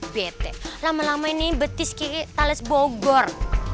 bete lama lama ini betis kita les bogor